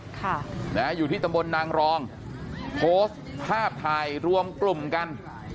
ค่ะนะฮะอยู่ที่ตำบลนางรองโพสต์ภาพถ่ายรวมกลุ่มกัน